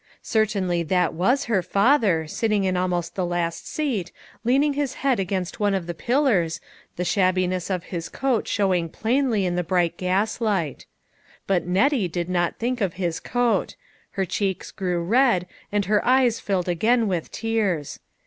Certainly that was her father, sitting in almost the last seat, leaning his head against one of the pillars, the shabbiuess of his coat showing plainly in the bright gaslight. But Nettie did not think of his coat. Her cheeks grew red, and her eyes filled again with tears.